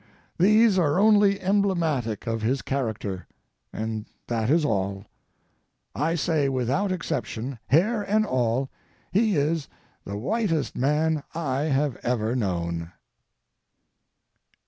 These are only emblematic of his character, and that is all. I say, without exception, hair and all, he is the whitest man I have ever known.